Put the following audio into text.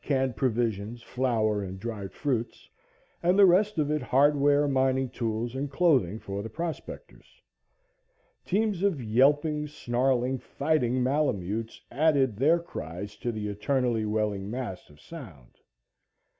canned provisions, flour and dried fruits and the rest of it hardware, mining tools and clothing for the prospectors. Teams of yelping, snarling, fighting malamutes added their cries to the eternally welling mass of sound.